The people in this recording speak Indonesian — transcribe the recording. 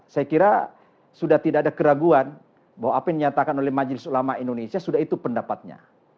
saya kira sudah tidak ada keraguan bahwa apa yang dinyatakan oleh majelis ulama indonesia sudah itu pendapatnya